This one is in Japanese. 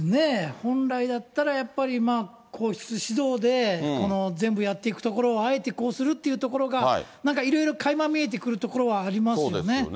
本来だったらやっぱり、皇室主導で全部やっていくところを、あえてこうするというところが、なんかいろいろかいま見えてくるところはありますよね。